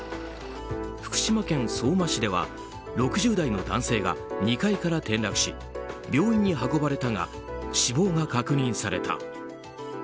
福島県相馬市では６０代の男性が２階から転落し病院に運ばれたが死亡が確認された。